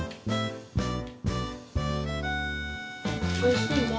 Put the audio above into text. おいしいね。